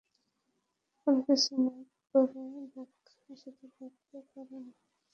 কোনকিছু না করে শুধু দেখতে পারিনা?